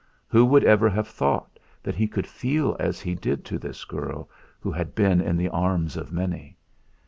Who would ever have thought that he could feel as he did to this girl who had been in the arms of many!